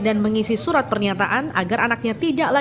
dan mengisi surat pernyataan agar anaknya tidak lancar